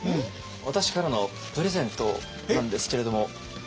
私からのプレゼントなんですけれども。